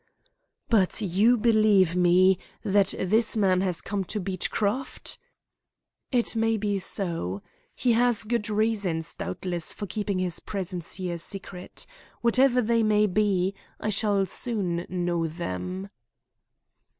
'" "But you believe me that this man has come to Beechcroft?" "It may be so. He has good reasons, doubtless, for keeping his presence here a secret. Whatever they may be, I shall soon know them."